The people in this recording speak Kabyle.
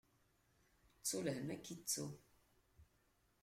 Ttu lhemm, ad k-ittu.